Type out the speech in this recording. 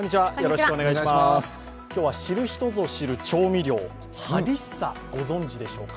今日は知る人ぞ知る調味料、ハリッサ、ご存じでしょうか。